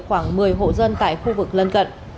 khoảng một mươi hộ dân tại khu vực lân cận